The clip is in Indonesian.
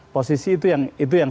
posisi itu yang sempurna